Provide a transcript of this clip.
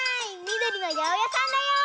みどりのやおやさんだよ。